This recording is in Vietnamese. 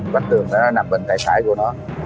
bắt trường đó nó nằm bên tay phải của nó